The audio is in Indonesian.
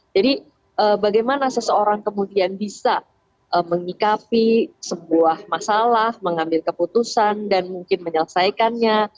jadi bagaimana seseorang kemudian bisa mengikapi sebuah masalah mengambil keputusan dan mungkin menyelesaikannya